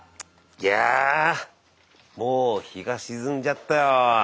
いやぁもう日が沈んじゃったよ。